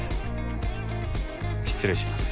失礼します。